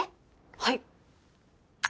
はい！